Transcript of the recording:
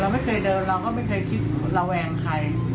ไม่เคยเดินเราก็ไม่เคยคิดระแวงใคร